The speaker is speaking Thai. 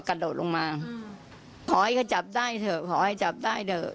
กระโดดลงมาขอให้เขาจับได้เถอะขอให้จับได้เถอะ